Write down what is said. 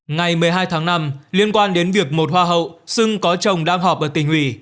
ngày một mươi hai tháng năm liên quan đến việc một hoa hậu xưng có chồng đang họp ở tỉnh ủy